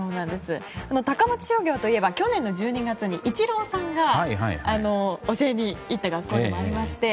高松商業といえば去年の１２月にイチローさんが教えに行った学校でもありまして。